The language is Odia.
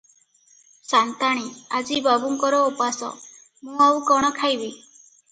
ସା’ନ୍ତାଣୀ – ଆଜି ବାବୁଙ୍କର ଓପାସ, ମୁଁ ଆଉ କ’ଣ ଖାଇବି?